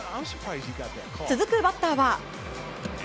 続くバッターは。